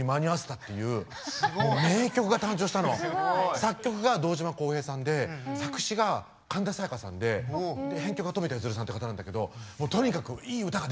作曲が堂島孝平さんで作詞が神田沙也加さんで編曲が冨田謙さんっていう方なんだけどとにかくいい歌ができたのよ。